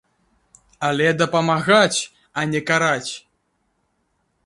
Але дапамагаць, а не караць.